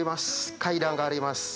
階段があります。